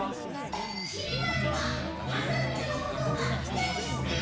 きり丸はハサミの音が大すき！